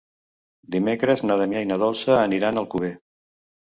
Dimecres na Damià i na Dolça aniran a Alcover.